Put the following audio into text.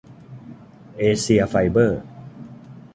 เอเซียไฟเบอร์